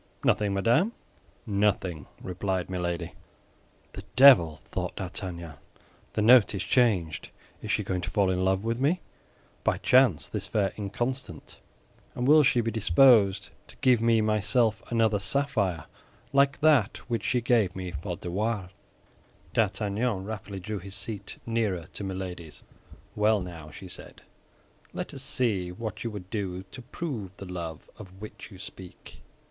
"Nothing, madame?" "Nothing," replied Milady. "The devil!" thought D'Artagnan. "The note is changed. Is she going to fall in love with me, by chance, this fair inconstant; and will she be disposed to give me myself another sapphire like that which she gave me for De Wardes?" D'Artagnan rapidly drew his seat nearer to Milady's. "Well, now," she said, "let us see what you would do to prove this love of which you speak."